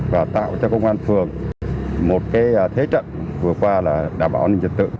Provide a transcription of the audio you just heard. và tạo cho công an phường một thế trận vừa qua là đảm bảo an ninh trật tự